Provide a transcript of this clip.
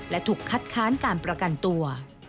และถูกคัดค้านการประกันตัว